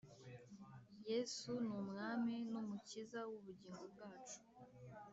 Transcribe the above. Yesu numwami numukiza wubugingo bwacu